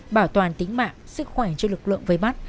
bảo toàn tính mạng sức khỏe cho lực lượng vây bắt